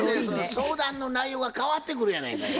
相談の内容が変わってくるやないかいな。